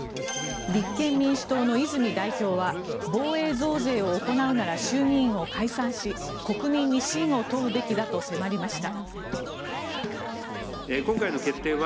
立憲民主党の泉代表は防衛増税を行うなら衆議院を解散し国民に信を問うべきだと迫りました。